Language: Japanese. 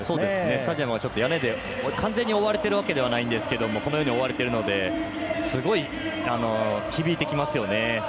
スタジアムが屋根で完全に覆われているわけじゃないですけれどもこのように覆われているのですごい響いてきますよね。